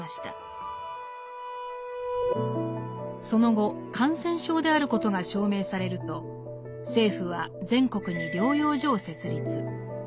その後感染症であることが証明されると政府は全国に療養所を設立。